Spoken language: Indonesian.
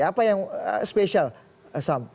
apa yang spesial sam